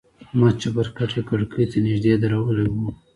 زما چپرکټ يې کړکۍ ته نژدې درولى و.